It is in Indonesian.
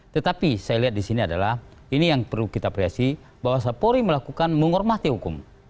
tetapi saya lihat di sini adalah ini yang perlu kita apresi bahwa sapori melakukan menghormati hukum